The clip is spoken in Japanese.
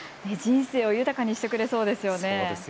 人生を豊かにしてくれそうですよね。